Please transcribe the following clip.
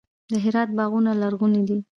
د هرات باغونه لرغوني دي.